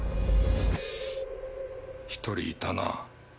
１人いたな。